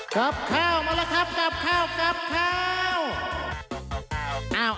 ขับข้าวมาแล้วครับกลับข้าวกลับข้าว